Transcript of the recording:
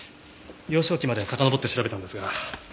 幼少期までさかのぼって調べたんですが。